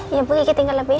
iya bu kita tinggal lagi ya